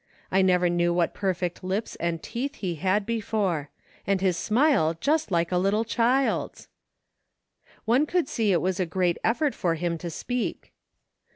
I never knew what perfect lips and teeth he had before — and his smile just like a little child's I " One could see it was a great effort for him to speak.